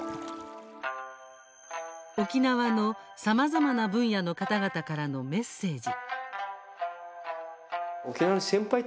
沖縄のさまざまな分野の方々からのメッセージ。